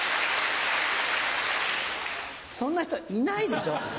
そんな人いないでしょ。